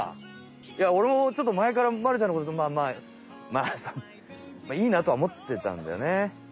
いや俺もちょっとまえからまるちゃんのことまあいいなとは思ってたんだよね。